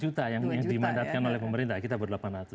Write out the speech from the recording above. satu juta yang dimandatkan oleh pemerintah kita buat delapan ratus